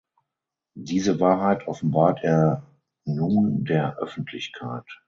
Diese Wahrheit offenbart er nun der Öffentlichkeit.